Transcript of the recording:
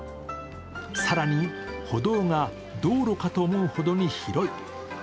更に歩道が道路かと思うほどに広い。